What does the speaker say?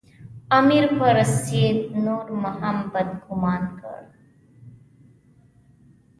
امیر پر سید نور هم بدګومانه کړ.